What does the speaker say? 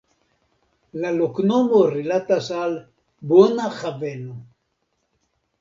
La loknomo rilatas al "bona haveno".